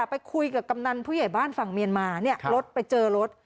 ไปคุยกับกำนันผู้ใหญ่บ้านฝั่งเมียนมารถไปเจอรถ